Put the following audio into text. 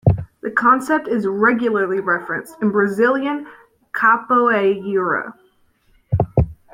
The concept is regularly referenced in Brazilian capoeira.